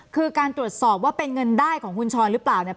คือการตรวจสอบว่าเป็นเงินได้ของคุณชรหรือเปล่าเนี่ย